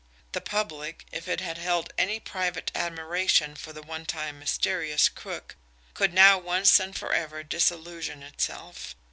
The public, if it had held any private admiration for the one time mysterious crook could now once and forever disillusion itself.